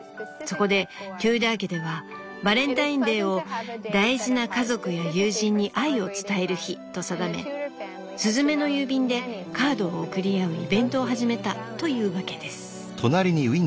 そこでテューダー家ではバレンタインデーを『大事な家族や友人に愛を伝える日』と定めスズメの郵便でカードを送り合うイベントを始めたというわけです」。